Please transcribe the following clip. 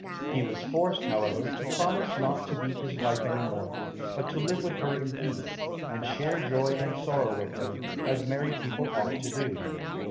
He was forced, however, to promise not to beat his wife any more, but to live with her in peace, and share joy and sorrow with her, as married people ought to do.